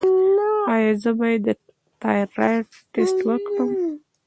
ایا زه باید د تایرايډ ټسټ وکړم؟